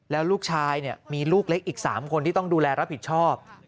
แล้วลูกชายมีลูกเล็กอีก๓คนที่ต้องดูแลรับผิดชอบ